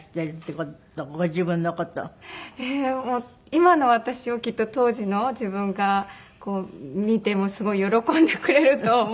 今の私をきっと当時の自分が見てもすごい喜んでくれると思うので。